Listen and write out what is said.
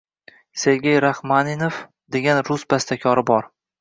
Sergey Raxmaninov degan rus bastakori bor.